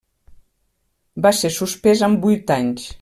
Va ser suspès amb vuit anys.